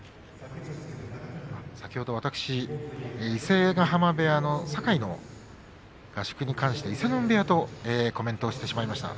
先ほど私、伊勢ヶ濱部屋の堺の合宿について伊勢ノ海部屋とコメントしてしまいました。